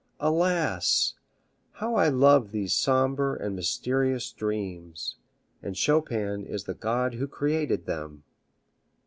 Alas! how I love these sombre and mysterious dreams, and Chopin is the god who creates them."